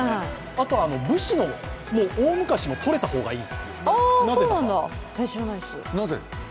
あとは武士が、大昔はとれた方がいい。